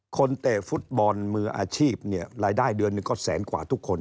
เตะฟุตบอลมืออาชีพเนี่ยรายได้เดือนหนึ่งก็แสนกว่าทุกคน